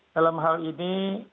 dalam hal ini